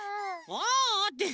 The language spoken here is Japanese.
「ああ」って